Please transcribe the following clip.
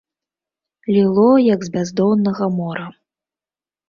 Ліло, як з бяздоннага мора.